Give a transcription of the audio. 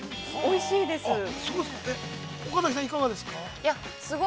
おいしいです。